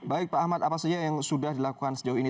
baik pak ahmad apa saja yang sudah dilakukan sejauh ini